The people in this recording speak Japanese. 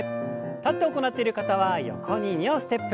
立って行っている方は横に２歩ステップ。